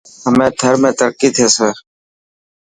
همي ٿر ۾ ترقي ٿيسي.